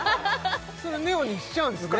それをネオにしちゃうんですね